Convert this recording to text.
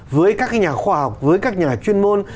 với các nhà khoa học với các nhà chuyên môn